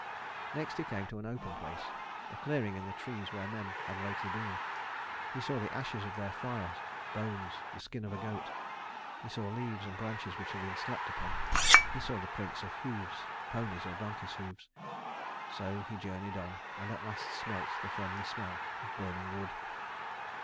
Next he came to an open place, a clearing in the trees where men had lately been. He saw the ashes of their fire, bones, the skin of a goat. He saw leaves and branches which had been slept upon; he saw the prints of hoofs ponies' or donkeys' hoofs. So he journeyed on, and at last smelt the friendly smell of burning wood.